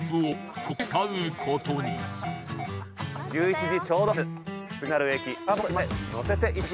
１１時ちょうど発。